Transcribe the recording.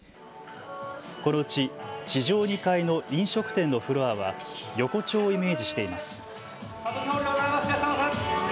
このうち地上２階の飲食店のフロアは横丁をイメージしています。